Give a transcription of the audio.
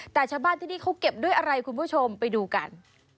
แต่ชาวบ้านที่นี่เขาเก็บด้วยอะไรคุณผู้ชมไปดูกัน